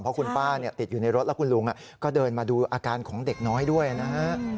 เพราะคุณป้าติดอยู่ในรถแล้วคุณลุงก็เดินมาดูอาการของเด็กน้อยด้วยนะฮะ